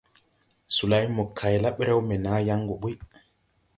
Solay mo kay la ɓrɛw mbɛ naa yaŋ gɔ ɓuy.